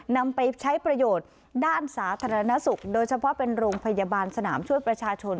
นำไปใช้ประโยชน์ด้านสาธารณสุขโดยเฉพาะเป็นโรงพยาบาลสนามช่วยประชาชน